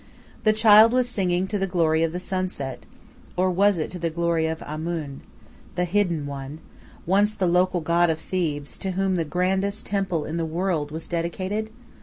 The child was singing to the glory of the sunset, or was it to the glory of Amun, "the hidden one," once the local god of Thebes, to whom the grandest temple in the world was dedicated?